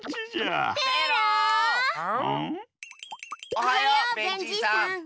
おはようベンじいさん。